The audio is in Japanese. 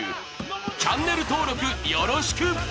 チャンネル登録よろしく！